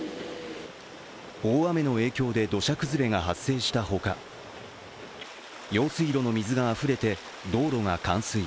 大雨の影響で土砂崩れが発生したほか用水路の水があふれて、道路が冠水。